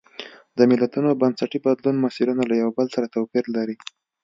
د ملتونو د بنسټي بدلون مسیرونه له یو بل سره توپیر لري.